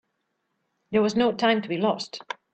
There was no time to be lost.